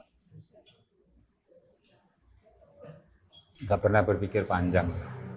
nggak pernah berpikir panjang